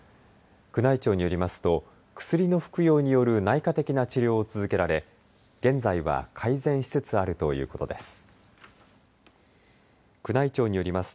宮内庁によりますと薬の服用による内科的な治療を続けられ現在は改善しつつあるということです。